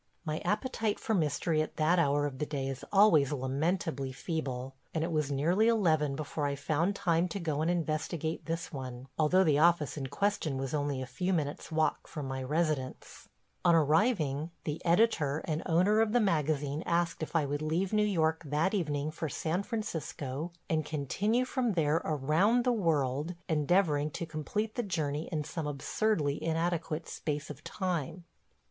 My appetite for mystery at that hour of the day is always lamentably feeble, and it was nearly eleven before I found time to go and investigate this one, although the office in question was only a few minutes' walk from my residence. On arriving, the editor and owner of the magazine asked if I would leave New York that evening for San Francisco and continue from there around the world, endeavoring to complete the journey in some absurdly inadequate space of time.